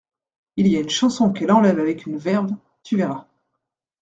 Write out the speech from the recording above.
Il y a une chanson qu'elle enlève avec une verve, tu verras …